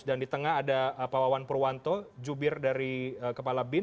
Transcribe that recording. dan di tengah ada pawawan purwanto jubir dari kepala bin